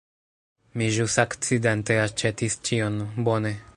Mi ĵus akcidente aĉetis ĉion! Bone.